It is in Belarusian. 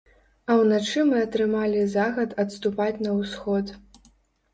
А ўначы мы атрымалі загад адступаць на ўсход.